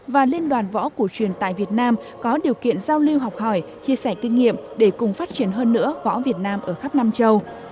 và liên đoàn võ cổ truyền tại việt nam có điều kiện giao lưu học hỏi chia sẻ kinh nghiệm để cùng phát triển hơn nữa võ việt nam ở khắp nam châu